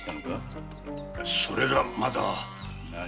それがまだ。